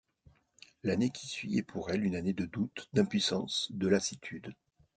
L'année qui suit est pour elle une année de doutes, d'impuissance, de lassitude.